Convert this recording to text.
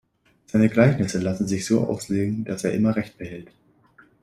Seine Gleichnisse lassen sich so auslegen, dass er immer Recht behält.